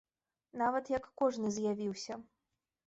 Нават як кожны з'явіўся.